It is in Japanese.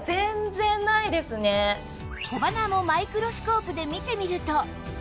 小鼻もマイクロスコープで見てみると